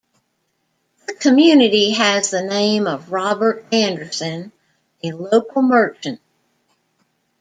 The community has the name of Robert Anderson, a local merchant.